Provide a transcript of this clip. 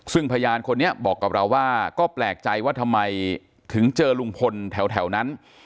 ซึ่งพยานคนนี้บอกกับเราว่าก็แปลกใจว่าทำไมถึงเจอลุงพลแถวนั้น